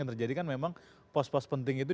yang terjadi kan memang pos pos penting itu